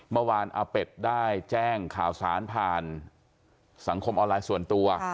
อาเป็ดได้แจ้งข่าวสารผ่านสังคมออนไลน์ส่วนตัว